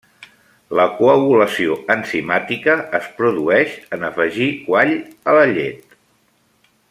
La coagulació enzimàtica es produeix en afegir quall a la llet.